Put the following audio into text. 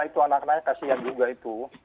itu anak anaknya kasihan juga itu